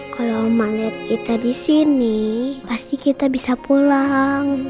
kalau malet kita di sini pasti kita bisa pulang